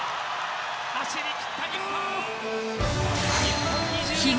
走りきった日本！